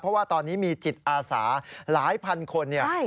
เพราะว่าตอนนี้มีจิตอาสาหลายพันคนเนี่ย